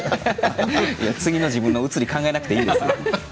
次の自分の映り考えなくていいです。